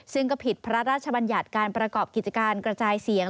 ซึ่งก็ผิดพระราชบัญญัติการประกอบกิจการกระจายเสียง